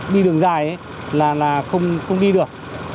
đi đường dài ấy là không đi được